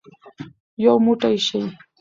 یو موټی شئ.